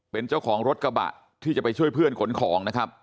เป็นเจ้าของรถกระบะที่จะไปช่วยเพื่อนขนของนะครับ